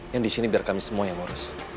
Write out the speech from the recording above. yang di sini biar kami semua yang ngurus